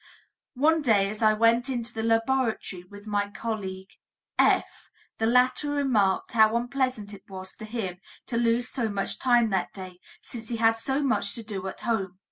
One day as I went into the laboratory with my colleague F., the latter remarked how unpleasant it was to him to lose so much time that day, since he had so much to do at home.